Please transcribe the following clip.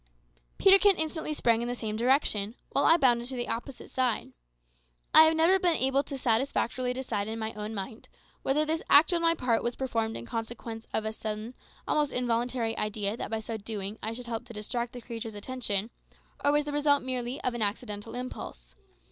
Peterkin instantly sprang in the same direction, while I bounded to the opposite side. I have never been able satisfactorily to decide in my own mind whether this act on my part was performed in consequence of a sudden, almost involuntary, idea that by so doing I should help to distract the creature's attention, or was the result merely of an accidental impulse.